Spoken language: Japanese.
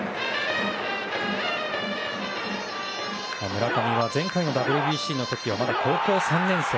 村上は前回のＷＢＣの時はまだ高校３年生。